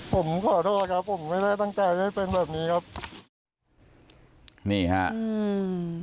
ผมขอโทษครับผมไม่ได้ตั้งใจให้เป็นแบบนี้ครับนี่ฮะอืม